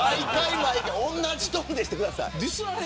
毎回同じトーンでしてください。